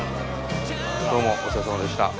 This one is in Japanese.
どうもお疲れさまでした。